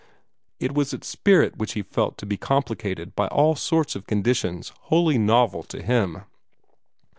It was its spirit which he felt to be complicated by all sorts of conditions wholly novel to him.